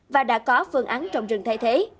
và đã có phương án trồng rừng thay thế